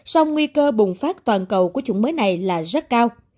song nguy cơ bùng phát toàn cầu của chủng mới này là rất cao